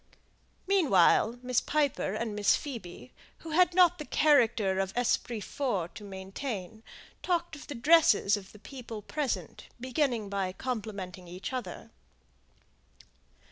Meanwhile Miss Piper and Miss Phoebe, who had not the character of esprit forts to maintain, talked of the dresses of the people present, beginning by complimenting each other.